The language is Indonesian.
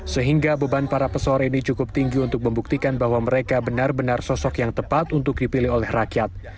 sehingga beban para pesohor ini cukup tinggi untuk membuktikan bahwa mereka benar benar sosok yang tepat untuk dipilih oleh rakyat